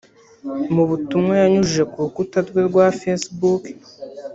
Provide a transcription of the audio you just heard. Mu butumwa yanyujije ku rukuta rwe rwa Facebook